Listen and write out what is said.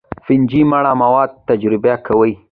فنجي مړه مواد تجزیه کوي